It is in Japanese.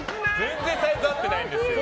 全然サイズ合ってないんですけど。